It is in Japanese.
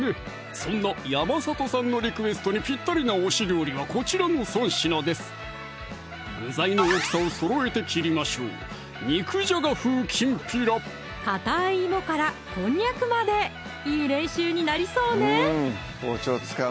そんな山里さんのリクエストにぴったりな推し料理はこちらの３品です具材の大きさをそろえて切りましょうかたい芋からこんにゃくまでいい練習になりそうね